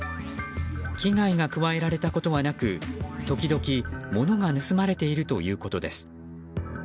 危害が加えられたことはなく時々、ものが盗まれているということです。